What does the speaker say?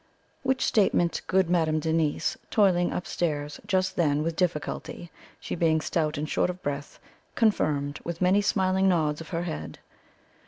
Which statement good Madame Denise, toiling upstairs just then with difficulty, she being stout and short of breath, confirmed with many smiling nods of her head.